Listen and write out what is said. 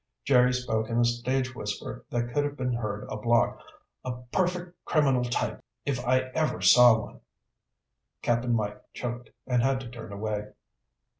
Jerry spoke in a stage whisper that could have been heard a block. "A perfect criminal type if I ever saw one." Cap'n Mike choked and had to turn away.